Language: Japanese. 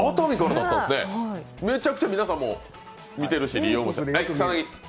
めちゃくちゃ皆さんも見てるし、利用してる。